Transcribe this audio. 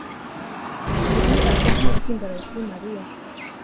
Bill asa nkuwatsimbaraye kuri Mariya